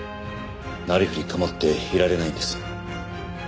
なりふり構っていられないんです。